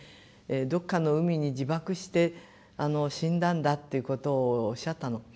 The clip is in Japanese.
どっかの海に自爆して死んだんだっていうことをおっしゃったの。